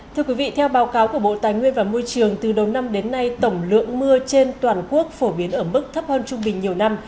thưa quý vị theo báo cáo của bộ tài nguyên và môi trường từ đầu năm đến nay tổng lượng mưa trên toàn quốc phổ biến ở mức thấp hơn trung bình nhiều năm